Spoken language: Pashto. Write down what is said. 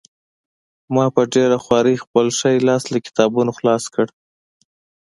ما په ډېره خوارۍ خپل ښی لاس له کتابونو خلاص کړ